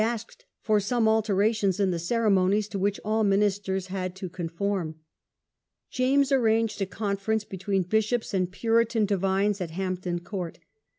asked for some alterations m the ceremonies to which all ministers had to conform. James arranged a conference between bishops and Puritan divines at Hampton Court.